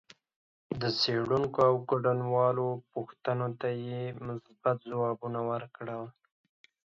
د څېړونکو او ګډونوالو پوښتنو ته یې مثبت ځوابونه ورکړل